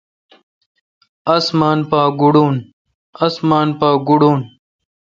اسمان پاگوڑون۔